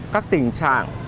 các tình trạng